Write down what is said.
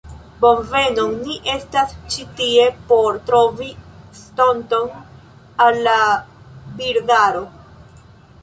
"Bonvenon. Ni estas ĉi tie por trovi estonton al la birdaro."